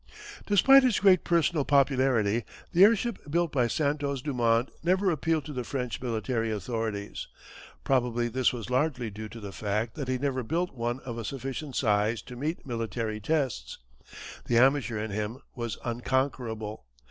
Despite his great personal popularity the airship built by Santos Dumont never appealed to the French military authorities. Probably this was largely due to the fact that he never built one of a sufficient size to meet military tests. The amateur in him was unconquerable.